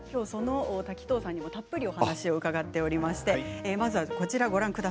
滝藤さんにたっぷりとお話を伺っています。